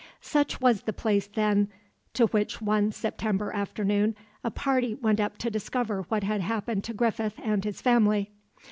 Such was the place, then, to which one September afternoon a party went up to discover what had happened to Griffith and his family.